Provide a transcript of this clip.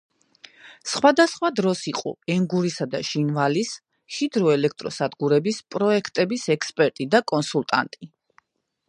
სხვადასხვა დროს იყო ენგურისა და ჟინვალის ჰიდროელექტროსადგურების პროექტების ექსპერტი და კონსულტანტი.